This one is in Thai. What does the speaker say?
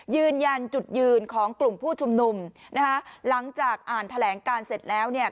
ยืนยันจุดยืนของกลุ่มผู้ชุมนุมนะคะหลังจากอ่านแถลงการเสร็จแล้วเนี่ย